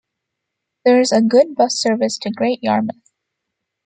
There is a good bus service to Great Yarmouth.